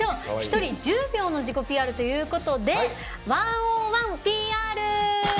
１人１０秒の自己ＰＲということで１０１ＰＲ！